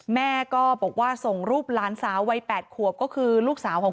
แม่ก็บอกว่าส่งรูปหลานสาววัย๘ขวบก็คือลูกสาวของ